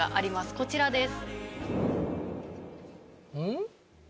こちらです。